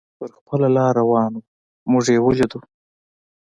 پر خپله لار روان و، موږ یې ولیدو.